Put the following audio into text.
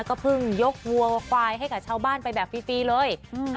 ก็เพิ่งยกวัวควายให้กับชาวบ้านไปแบบฟรีฟรีเลยอืม